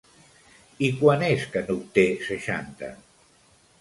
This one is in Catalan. I quan és que n'obté seixanta?